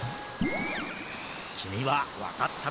きみはわかったかな？